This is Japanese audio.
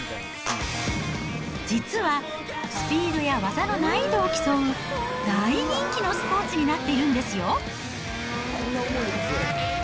実はスピードや技の難易度を競う、大人気のスポーツになっているんですよ。